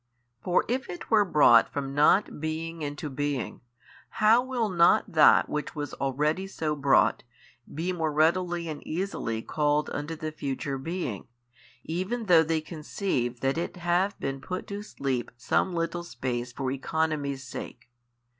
For if it were brought from not being into being, how will not that which was already so brought, be more readily and easily called unto the future being, even though they conceive 5 that it have been put to sleep some little space for economy's sake?